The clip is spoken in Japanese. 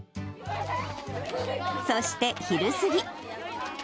そして昼過ぎ。